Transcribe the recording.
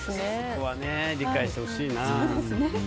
そこは理解してほしいな。